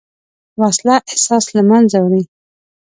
وسله احساس له منځه وړي